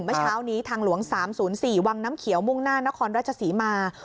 เมื่อเช้านี้ทางหลวง๓๐๔วังน้ำเขียวมุ่งหน้านครราชศรีมา